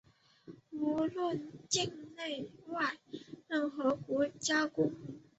无论境内外、任何国家公民